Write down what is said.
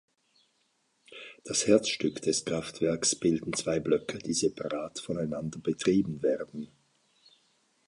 Das Herzstück des Kraftwerks bilden zwei Blöcke, die separat voneinander betrieben werden.